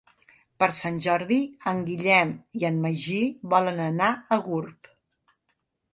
Per Sant Jordi en Guillem i en Magí volen anar a Gurb.